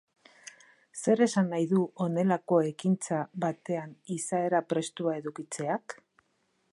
Zer esan nahi du honelako ekintza batean izaera prestua edukitzeak?